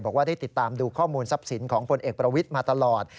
บอกว่าได้ติดตามดูข้อมูลทรัพย์สินของพลเอกประวิทย์มาตลอด